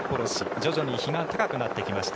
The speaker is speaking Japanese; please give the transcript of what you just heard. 徐々に日が高くなってきました。